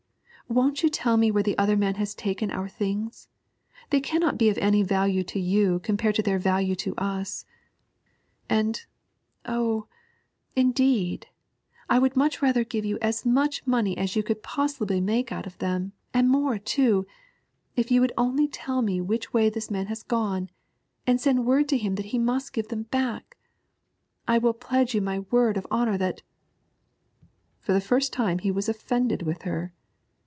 Won't you tell me where the other man has taken our things? They cannot be of any value to you compared with their value to us; and, oh, indeed I would much rather give you as much money as you could possibly make out of them, and more too, if you would only tell me which way this man has gone, and send word to him that he must give them back! I will pledge you my word of honour that ' For the first time he was offended with her.